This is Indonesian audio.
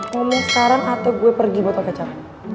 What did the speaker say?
ngomong sekarang atau gue pergi botol kacang